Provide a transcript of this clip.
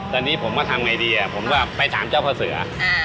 ตอนนี้ผมก็ทำไงดีผมก็ไปถามเจ้าพ่อเสือ